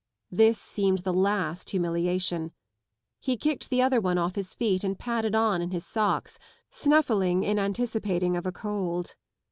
This seemed the last humiliation. lie kicked the other one off his feet and padded on in his socks, snuffling in anticipating of a cold.